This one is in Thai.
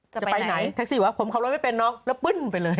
จะไปไหนแท็กซี่บอกว่าผมขับรถไม่เป็นน้องแล้วปึ้นไปเลย